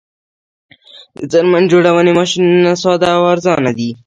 د څرمن جوړونې ماشینونه ساده او ارزانه دي